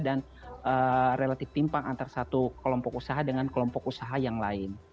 relatif timpang antara satu kelompok usaha dengan kelompok usaha yang lain